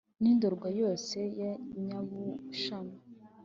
N'i Ndorwa yose ya Nyabushyami